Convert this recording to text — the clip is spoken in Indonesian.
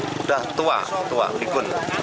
sudah tua pikun